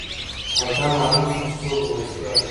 او دا معلومه شوه چې څوک به مرستیال وي